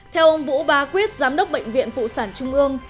theo ông vũ ba quyết giám đốc bệnh viện phụ sản trung ương